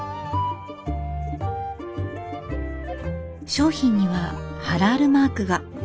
商品にはハラールマークが。